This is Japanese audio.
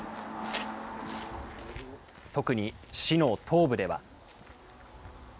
特に市の東部では。